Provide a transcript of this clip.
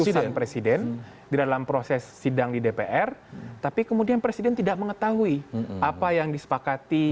keputusan presiden di dalam proses sidang di dpr tapi kemudian presiden tidak mengetahui apa yang disepakati